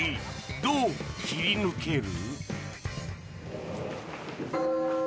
どう切り抜ける？